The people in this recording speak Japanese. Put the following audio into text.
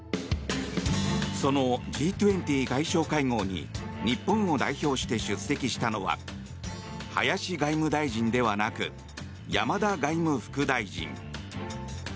そのＧ２０外相会合に日本を代表して出席したのは林外務大臣ではなく山田外務副大臣。